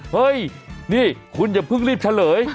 เฮ้ยนี่คุณอย่าเพิ่งรีบเฉลย